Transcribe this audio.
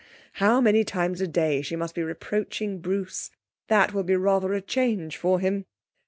How many times a day she must be reproaching Bruce that will be rather a change for him.